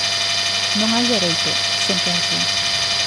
Non hai dereito, sentencia.